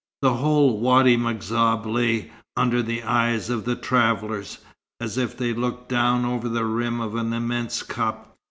The whole Wady M'Zab lay under the eyes of the travellers, as if they looked down over the rim of an immense cup.